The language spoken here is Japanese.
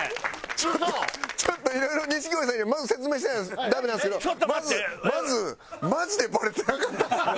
ちょっとちょっといろいろ錦鯉さんにはまず説明しないとダメなんですけどまずマジでバレてなかった。